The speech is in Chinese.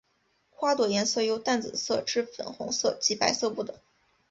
花朵颜色由淡紫色至粉红色及白色不等。